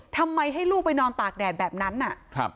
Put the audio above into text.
ทำไมให้ลูกไปนอนตากแดดแบบนั้นอ่ะครับ